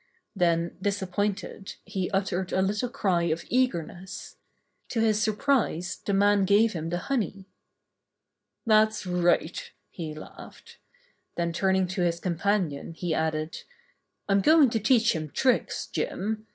Then, disappointed, he uttered a little cry of eagerness. To his surprise the man gave him the honey. "That's right," he laughed. Then turning to his companion, he added: "I'm going to teach him tricks, J im.